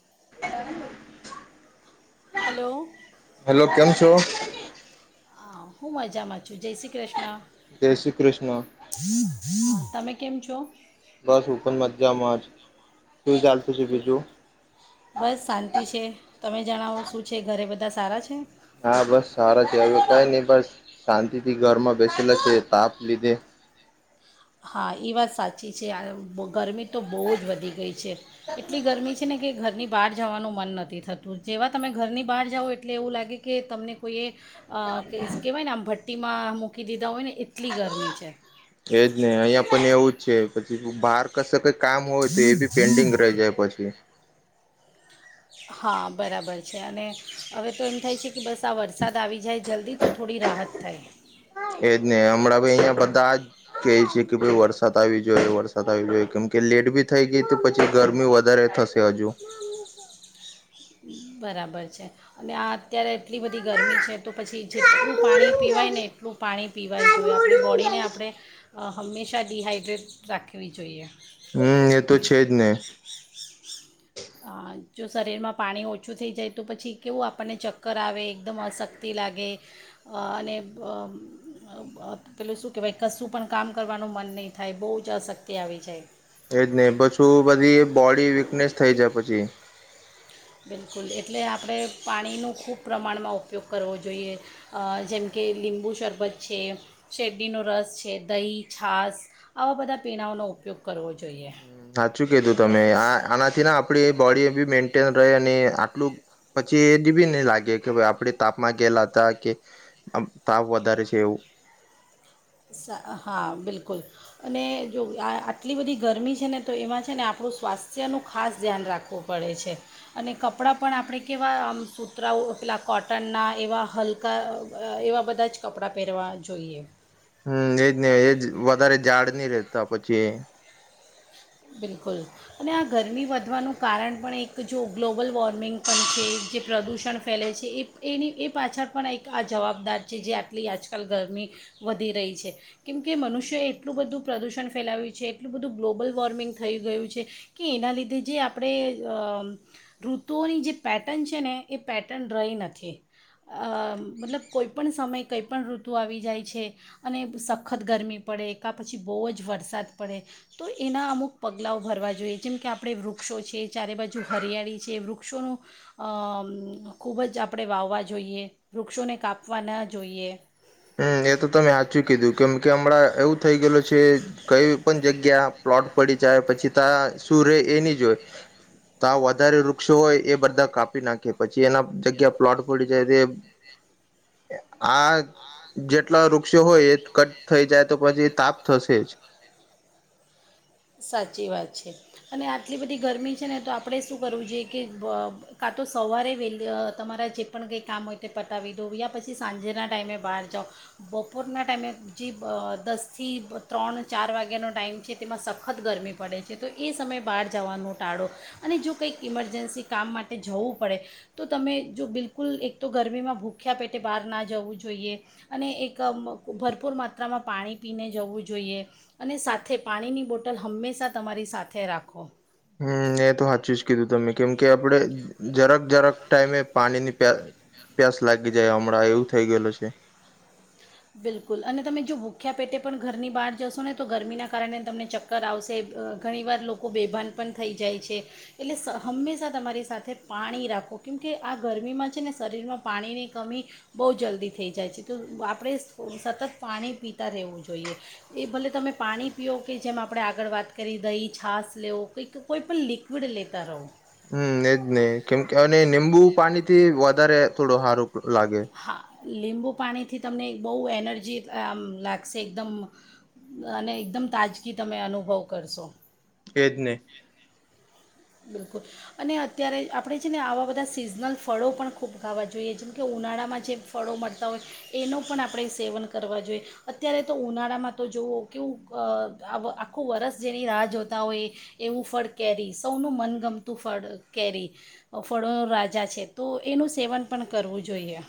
એ. Hello. Hello કેમ છો. હા હું મજામાં છું જય શ્રી કૃષ્ણ. જય શ્રી કૃષ્ણ. તમે કેમ છો. બસ હું પણ મજા માજ બસ શાંતિ છે. તમે જણાવો, શું છે ઘરે, બધા સારા છે? હા, બસ સારા છે. હવે કઈ નહી, બસ શાંતિ થી ઘરમાં બેસેલા છે, તાપ લીધે. હા, એ વાત સાચી છે, આ ગરમી તો બહુ જ વધી ગઈ છે. એટલી ગરમી છે ને કે ઘરની બહાર જવાનું મન નથી થતું, જેવા તમે ઘરની બહાર જાઓ એટલે એવું લાગે કે તમને કોઈએ કહેવાય ને આમ ભટ્ટીમાં મૂકી દીધા હોય ને એટલી ગરમી છે. એજને અહિયાયા પણ એવુંજ છે. પછી બહાર કશે કંઈક કામ હોય, તો એબી પેન્ડિંગ રહી જાય પછી. હા, બરાબર છે અને હવે તો એમ થાય છે કે બસ આ વરસાદ આવી જાય જલ્દી તો થોડી રાહત થાય. એજને, હમણાં ભી અહિયાયા બધા જ ક છે કે ભાઈ વરસાદ આવી જોઈ વરસાદ આવી જોઈએ કેમ કે લેટ ભી થઈ ગઈ તો પછી ગરમી વધારે થશે હજુ. બરાબર છે અને આ અત્યારે એટલી બધી ગરમી છે તો પછી જેટલું પાણી પીવાય ને એટલું પાણી પીવાય જોઈએ, આપણી બોડીને આપણે હંમેશા ડિહાાઈડ્રેટ રાખવી જોઈએ. હમ્મ, એતો છેજ ને અહ જો શરીરમાં પાણી ઓછું થઈ જાય તો પછી કેવું આપણને ચક્કર આવે એકદમ અશક્તિ લાગે અને અહ પેલું શું કહેવાય કશું પણ કામ કરવાનું મન નહીં થાય, બોજ અશક્તિ આવી જાય. એજને, પછું બધી બોડી વીકનેસ થઈ જાય પછી. બિલકુલ એટલે આપડે પાણીનો ખૂબ પ્રમાણમાં ઉપયોગ કરવો જોઈએ. અહ જેમકે લીંબુ શરબત છે, શેરડીનો રસ છે, દહીં, છાસ, આવા બધા પીણાઓનો ઉપયોગ કરવો જોઈએ. હમ્મ, સાચું કીધું તમે આ, આનાથી આપડી બોડી બી મેન્ટેન રહે અને આટલું પછી એ જ બી નહી લાગે કે આપણે તાપમાં ગયલા હતા કે તાપ વધારે છે એવું. હા, બિલકુલ અને જો આ આટલી બધી ગરમી છે ને તો એમાં છે ને આપડુ સ્વાસ્થ્યનું ખાસ ધ્યાન રાખવું પડે છે અને કપડાં પણ આપડે કેવામ સૂતરાઓ પેલા કોટનના એવા હલકા એવા બધા જ કપડાં પહેરવા જોઈએ. હમ્મ, એજને એજ વધારે ઝાડ નહી રહેેતા પછી. બિલકુલ અને આ ગરમી વધવાનું કારણ પણ એક જો ગ્લોબલ વોર્મ મીંગ પણ છે. જે પ્રદૂષણ ફેલે છે એ એની એ પાછળ પણ એક આ જવાબદાર છે જે આટલી આજકાલ ગરમી વધી રહી છે કેમ કે મનુષ્યએ એટલું બધું પ્રદૂષણ ફેલાવ્યું છે એટલું બધું ગ્લોબલ વોર્મિંગ થઈ ગયું છે કે એના લીધે જે આપણે ઋતુઓની જે પેર્ટર્ન છે ને એ પેટર્ન રહી નથી મતલબ કોઈપણ સમયે કંઈપણ ઋતુ આવી જાય છે અને સખત ગરમી પડે કા પછી બહુ જ વરસાદ પડે તો એના અમુક પગલાંઓ ભરવા જોઈએ જેમ કે આપણે વૃક્ષો છે ચારે બાજુ હરિયાળી છે વૃક્ષોનું ખૂબ જ આપણે વાવવા જોઈએ વૃક્ષોને કાપવા ન જોઈએ. હમ એ તો તમે સાચું કીધું કેમ કે હમણાં એવું થઈ ગયેલો છે કઈ પણ જગ્યા પ્લોટ પડી જાય પછી ત્યા શું રે એ નહી જો હોય ત્યા વધારે વૃક્ષો હોય એ બધા કાપી નાખે પછી એના જગ્યા પ્લોટ પડી જાય તે આ જેટલા વૃક્ષો હોય એ કટ થઈ જાય તો પછી તાપ થશે જ. સાચી વાત છે અને આટલી બધી ગરમી છે ને તો આપણે શું કરવું જોઈએ કે કાં તો સવારે વહેલી તમારા જે પણ કંઈ કામ હોય તે પતાવી દો યા પછી સાંજેના ટાઈમે બહાર જાઓ બપોરના ટાઈમે જે દસથી ત્રણ ચાર વાગ્યાનો ટાઈમ છે તેમાં સત વખત ગરમી પડે છે તો એ સમયે બહાર જવાનું ટાળો અને જો કંઈક ઇમરજન્સી કામ માટે જવું પડે તો તમે જો બિલકુલ એક તો ગરમીમાં ભૂખ્યા પેટે બહાર ના જવું જોઈએ અને એક ભરપૂર માત્રામાં પાણી પીને જવું જોઈએ અને સાથે પાણીની બોટ હોટલ હંમેશા તમારી સાથે રાખો. હમ એ તો સાચું જ કીધું તમે કેમ કે આપડે જરાક જરક ટાઈમે પાણી ની પ પ્યાસ લાગી જાય હમણાં એવું થઈ ગયેલ છે. બિલકુલ અને તમે જો ભૂખ્યા પેટે પણ ઘરની બહાર જશો ને તો ગરમીના કારણે તમને ચક્કર આવશે ઘણીવાર લોકો બેભાન પણ થઈ જાય છે એટલે હંમેશા તમારી સાથે પાણી રાખો કેમકે આ ગરમીમાં છે ને શરીરમાં પાણીની કમી બહુ જલ્દી થઈ જાય છે તો આપણે સતત પાણી પીતા રહેવું જોઈએ એ ભલે તમે પાણી પીઓ કે જેમ આપણે આગળ વાત કરી દહીં છાસ લેવ કંઈ કોઈ પણણ લિક્વિડ લેતા રહો. હમ એજ ને કેમ કે અને નીબું પાણી થી વધારે થોડો સારું લાગે. હા લીંબુ પાણીથી તમને બહુ એનર્જી આમ લાગશે એકદમ અને એકદમ તાજગી તમે અનુભવ કરશો. એ જ ને. બિલકુલ અને અત્યારે આપણે છે ને આવા બધા સિઝનલ ફળો પણ ખૂબ ખાવાં જોઈએ જેમકે ઉનાળામાં જે ફળો મળતા હોય એનું પણ આપણે સેવન કરવા જોઈએ અત્યારે તો ઉનાળામાં તો જુવઓ કેવું આખું વરસ જેની રાહ જોતા હોય એવું ફળ કેરી સ સૌનું મનગમતું ફળ કેરી ફળોનો રાજા છે તો એનું સેવન પણ કરવું જોઈએ.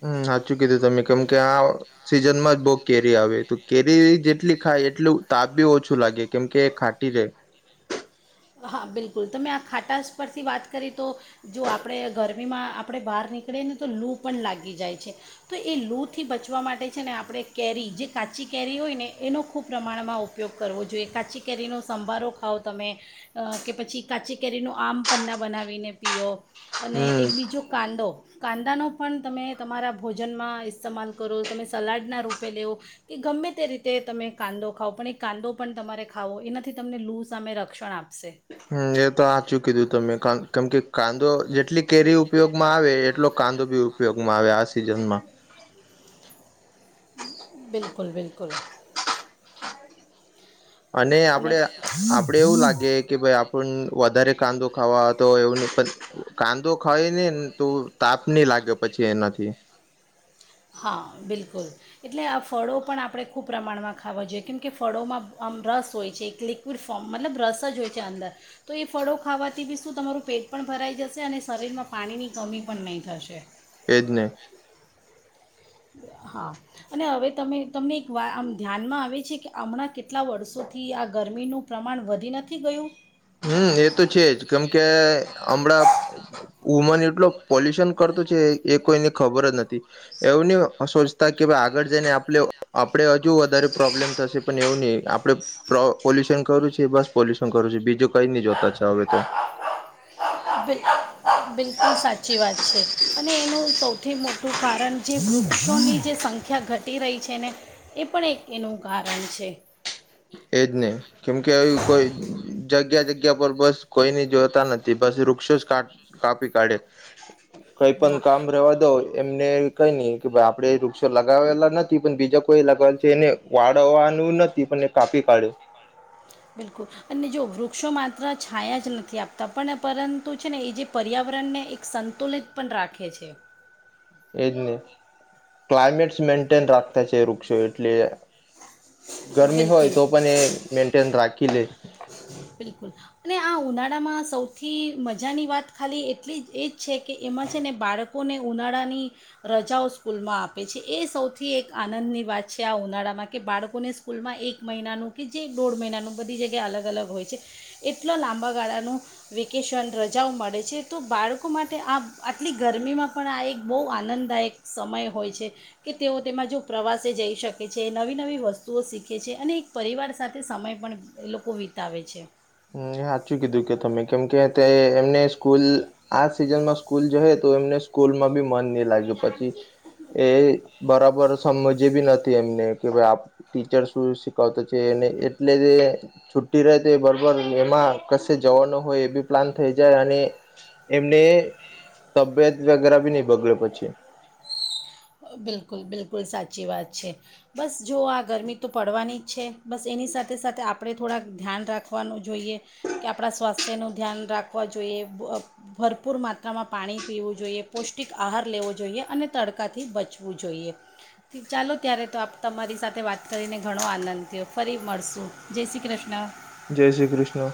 હમ સાચું કીધું તમે કેમકે આ સીઝનમાં જ બહ કેરી આવે તો કેરી જેટલી ખાય એટલું તાપ બી ઓછું લાગે કેમકે એ ખાટી રહેે. હા બિલકુલ તમે આ ખાટાસ પરથી વાત કરી તો જો આપણે ગરમીમાં આપણે બહાર નીકળીએ ને તો લૂ પણ લાગી જાય છે તો એ લૂથી બચવા માટે છે ને આપણે કેરી જે કાચી કેરી હોય ને એનો ખૂબ પ્રમાણમાં ઉપયોગ કરવો જોઈએ કાચી કેરીનો સંભારો ખાવ તમે. કે પછી કાચી કેરીનું આમ પન્ના બનાવીને પીઓ. અને હમ એક બીજો કાંદો કાંદાનો પણ તમે તમારા ભોજનમાં ઇસ્તેમાલ કરો તમે સલાડના રૂપે લેવ કે ગમે તે રીતે તમે કાંદો ખાવઓ પણ એ કાંદો પણ તમારે ખાવો એનાથી તમને લૂઝ સામે રક્ષણ આપે. સે હમ્મ એ તો આચું કીધું ત મે કેમ કે કાન જેટલી કેરી ઉપયોગમાં આવે એટલો કાંદો બી ઉપયોગમાં આવે આ સિઝનમાં. બિલકુલ-બિલકુલ. અને આપડે-આપડે એવું લાગે કે ભાઈ આપણ વધારે કાંદો ખાવા તો એવું કાંદો ખાય ને તો તાપ નની લાગે પછી એનાથી. હા બિલકુલ એટલે આ ફળો પણ આપણે ખૂબ પ્રમાણમાં ખાવા જોઈએ કેમ કે ફળોમાં આમ રસ હોય છે એક લિક્વિડ ફોર્મ મતલબ રસ જ હોય છે અંદર, તો એ ફળો ખાવાથી બી શું તમારું પેટ પણ ભરાઈ જશે અને શરીરમાં પાણીની કમી પણ નહીં થશે. એેજને. હા અને હવે તમે તમને એક વા આમ ધ્યાનમાં આવે છે કે હમણાં કેટલા વર્ષોથી આ ગરમીનું પ્રમાણ વધી નથી ગયું. હમ એ તો છે જ કેમકે હમણાં વુમન એટલો પોલ્યુશન કરતો છે એ કોઈને ખબર જ નથી એવું, નહી સોચતા કે ભાઈ આગળ જઈને આપ આપણે હજુ વધારે પ્રોબ્લેમ થશે પણ એવું નહી આપડે પોલ્યુશન કરવું છે બસ પોલ્યુશન કરવું છે બીજું કઈ નહી જોતા છે હવે તો બિ બિલકુલ સાચી વાત છે. અને એનું સૌથી મોટું કારણ જે વૃક્ષોની જે સંખ્યા ઘટી રહી છે ને એ પણ એક એનું કારણ છે. એજ નહી કેમ કે કોઈ જગ્યા જગ્યા પર બસ કોઈને જોતા નથી બસ વૃક્ષો જ કાપી કાઢે. કઈ પણ હા કામ રવા દો એમને. કઈ નહી. કે ભાઈ આપડે એ વૃક્ષો લગાવેલા ન પણ બીજા કોઈ લગાવલ છે એને વાળવાનું નથી પણ કાપી કાઢ્યું. બિલકુલ અને જો વૃ ક્ષો માત્ર છાયા જ નથી આપતા પણ પરંતુ છે ને એ જે પર્યાવરણને એક સંતુલિત પણ રાખે છે. એજ ને ક્લાયમેટ મેન્ટેન રાખતા છે વૃક્ષો એટલે ગરમી હોય બિલકુલ તો પણ એ મેન્ટેન રાખે. કિલે. બિલકુલ અને આ ઉનાળામાં સૌથી મજાની વાત ખાલી એટલી જ એ જ છે કે એમાં છે ને બાળકોને ઉનાળાની રજાઓ સ્કૂલમાં આપે છે. એ સૌથી એક આનંદની વાત છે આ ઉનાળામાં કે બાળકોને સ્કૂલમાં એક મહિનાનું કે જે દોઢ મહિનાનું બધી જ ગ્યા અલગ અલગ હોય છે એટલા લાંબા ગાળાનું વેકેશન રજાઓ મળે છે. તો બાળકો માટે આ આટલી ગરમીમાં પણ આ એક બહુ આનંદદાયક સમય હોય છે. કે તેઓ તેમાં જો પ્રવાસે જઈ શકે છે નવી નવી વસ્તુઓ શીખે છે અને એક પરિવાર સાથે સમય પણ એ લોકો વિતાવે છે. ની હાચું કીધું કે તમે કેમ કે તે એમને સ્કૂલ આ સિઝનમાં સ્કૂલ જ તો એમને સ્કૂલમાં બી મન નઈ લાગે પછી એ બરાબર સમજે બી નથી એમને કે ભ આપ ટીચર શું શીખવતો છે એને એટલેજ એ છૂટી રહે એ બર બર એમાં કશે જવાનું હોય એ બી પ્લાન થઈ જાય અને એમને તબિયત વગેરે બી નહી બગડે પછી. બિલકુલ બિલકુલ. કુલ સાચી વાત છે બસ જો આ ગરમી તો પડવાની જ છે બસ એની સાથે સાથે આપણે થોડાક ધ્યાન રાખવાનું જોઈએ કે આપણા સ્વાસ્થ્યનું ધ્યાન રાખવા જોઈએ. ભ ભરપૂર માત્રામાં પાણી પીવું જોઈએ. પૌષ્ટિક આહાર લેવો. જોઈએ. અને તડકાથી બચ ચવું જોઈએ ચાલો ત્યારે તો આપ તમારી સાથે વાત કરીને ઘણો આનંદ થયો ફરી મળશું જય શ્રી કૃષ્ણ. જય શ્રી કૃષ્ણ.